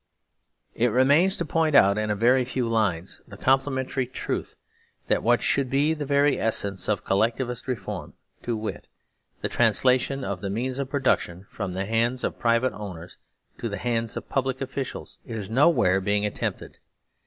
It remains to point out in a very few lines the com plementary truth that whatshould be the very essence of Collectivist Reform, to wit, the translation of the means of production from the hands of private owners to the hands of public officials, is nowhere being at tempted.